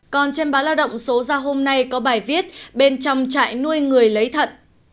còn trên báo lao động số ra hôm nay có bài viết bên trong trại nuôi người lấy thận